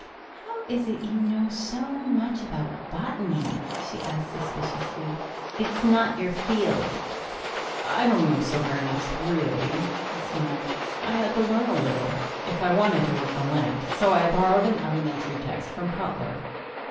"How is it you know so much about botany?" she asked suspiciously. "It's not your field." "I don't know so very much, really," he smiled. "I had to learn a little, if I wanted to work the land, so I borrowed an elementary text from Cutler."